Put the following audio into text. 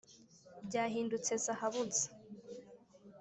byahindutse zahabu nsa!